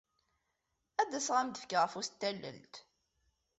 Ad d-asaɣ ad m-d-fkeɣ afus n tallelt.